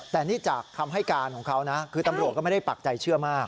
แต่นี่จากคำให้การของเขานะคือตำรวจก็ไม่ได้ปักใจเชื่อมาก